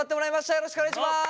よろしくお願いします。